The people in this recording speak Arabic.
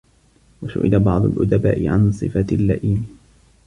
وَسُئِلَ بَعْضُ الْأُدَبَاءِ عَنْ صِفَةِ اللَّئِيمِ